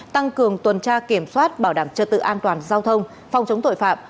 tăng cường tuần tra kiểm soát bảo đảm trật tự an toàn giao thông phòng chống tội phạm